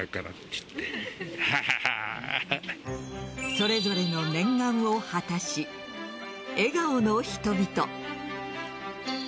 それぞれの念願を果たし笑顔の人々。